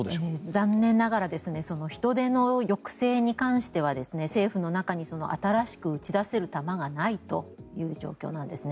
残念ながら人出の抑制に関しては政府の中に新しく撃ち出せる弾がないという状況なんです。